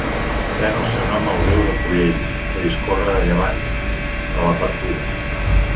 Pren el seu nom el riu de Collell, que discorre a llevant de la partida.